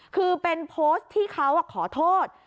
คือเป็นโพสต์ที่เขาขอโทษ